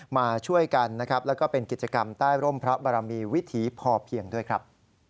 มาช่วยกันนะครับแล้วก็เป็นกิจกรรมใต้ร่มพระบรมีวิถีพอเพียงด้วยครับ